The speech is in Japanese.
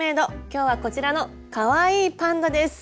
今日はこちらのかわいいパンダです。